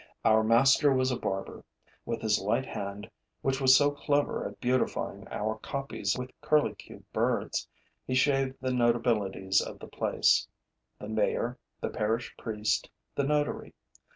Our master was a barber. With his light hand, which was so clever at beautifying our copies with curlicue birds, he shaved the notabilities of the place: the mayor, the parish priest, the notary.